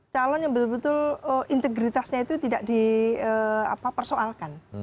calon yang betul betul integritasnya itu tidak dipersoalkan